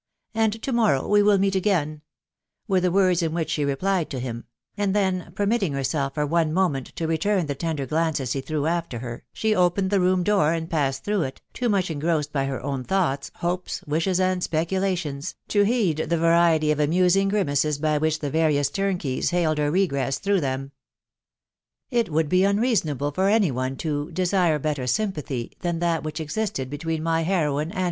••• and to morrow we will meet again/' were the words in which she replied to him; and then, permitting herself for one moment to return the ten der glances he threw after her, she opened the room door and passed through it, too much engrossed by her own thoughts, hopes, wishes, and speculations, to heed the variety of grimaces by which the various turnkeys hailed hex through them. It would be unreasonable for any one to " desim better sym pathy " than that which existed between my heroine and Me.